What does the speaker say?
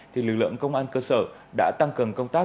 thì lực lượng công an cơ sở đã tăng cường công tác